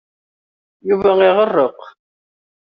Yuba iɣeṛṛeq.